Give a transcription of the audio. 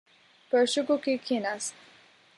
په شګو کې کښیناست.